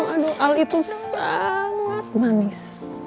aduh al itu sangat manis